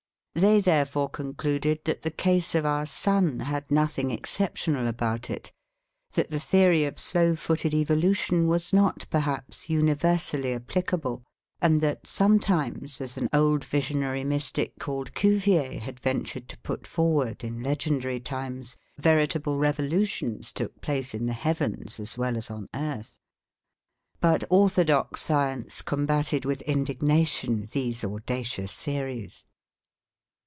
They therefore concluded that the case of our sun had nothing exceptional about it; that the theory of slow footed evolution was not perhaps universally applicable; and that, sometimes, as an old visionary mystic called Cuvier had ventured to put forward in legendary times, veritable revolutions took place in the heavens as well as on earth. But orthodox science combated with indignation these audacious theories.